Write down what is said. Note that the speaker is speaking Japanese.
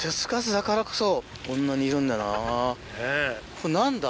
これ何だ？